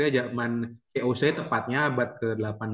zaman coc tepatnya abad ke delapan belas